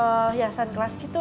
bikin kayak hiasan kelas gitu